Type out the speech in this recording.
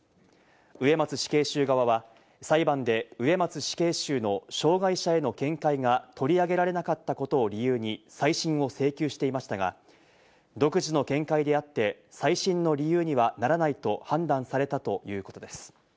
植松死刑囚側は裁判で植松死刑囚の障害者への見解が取り上げられなかったことを理由に再審を請求していましたが、独自の見解であって、再審の理由にはならないと判断されたということです。